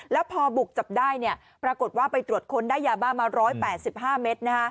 แล้วพอบุกจับได้ปรากฏว่าไปตรวจค้นได้ยาบ้ามา๑๘๕เมตร